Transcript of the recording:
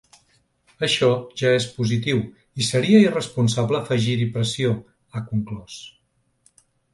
Això ja és positiu, i seria irresponsable afegir-hi pressió, ha conclòs.